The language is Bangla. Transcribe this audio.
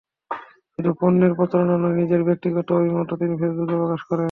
শুধু পণ্যের প্রচারণা নয়, নিজের ব্যক্তিগত অভিমতও তিনি ফেসবুকে প্রকাশ করেন।